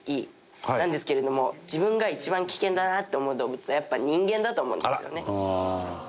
なんですけれども自分が一番危険だなって思う動物はやっぱ人間だと思うんですよね。